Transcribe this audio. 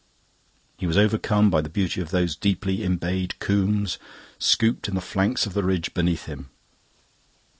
He was overcome by the beauty of those deeply embayed combes, scooped in the flanks of the ridge beneath him.